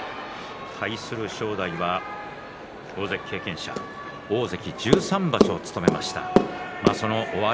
対する正代は大関経験者大関１３場所務めました。